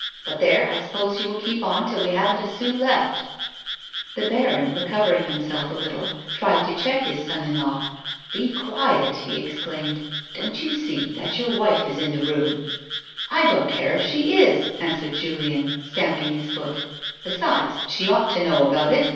But there I suppose you will keep on till we haven't a sou left !" The baron, recovering hiniself a little, tried to check his son in law :" Be quiet !" he exclaimed. " Don't you see that your wife is in the room 1 "" I don't care if she is," answered Julien, stamping his foot. " Besides, she ought to know about it.